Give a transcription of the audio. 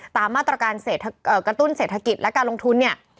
ตามมาตรการกระตุ้นเศรษฐกิจและการลงทุนเนี่ย